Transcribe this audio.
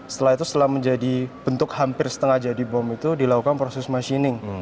setelah itu setelah menjadi bentuk hampir setengah jadi bom itu dilakukan proses machining